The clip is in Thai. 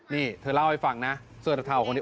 นี่เธอเล่าให้ฟังนะซื่อดทักทาวของคนนี้